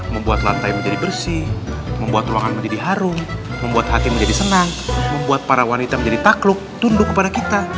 membuat lantai menjadi bersih membuat ruangan menjadi harum membuat hati menjadi senang membuat para wanita menjadi takluk tunduk kepada kita